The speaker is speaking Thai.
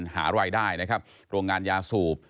หารายได้นะครับโรงงานยาสูบ